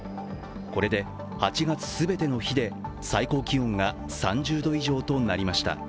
これで８月全ての日で最高気温が３０度以上となりました。